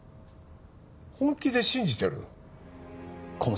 本気で信じてるの？